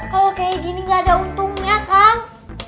kalo kaya gini gak ada untungnya kan